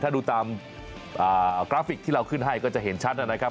ถ้าดูตามกราฟิกที่เราขึ้นให้ก็จะเห็นชัดนะครับ